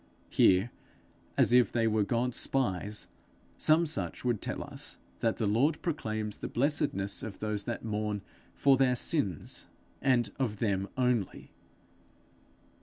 Here, 'as if they were God's spies,' some such would tell us that the Lord proclaims the blessedness of those that mourn for their sins, and of them only.